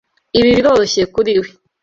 Ibi biroroshye kuri we.